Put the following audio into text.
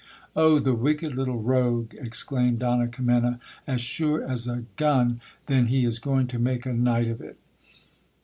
Oh ! the wicked little rogue, exclaimed Donna Kimena ; as sure as a gan then he is going to make a night of it.